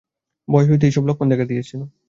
ভয় হইতেই এইসব লক্ষণ দেখা দিয়াছিল।